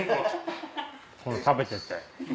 食べてて。